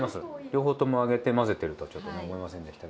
両方とも揚げて混ぜてるとはちょっと思いませんでしたけど。